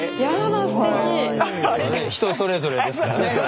人それぞれですから。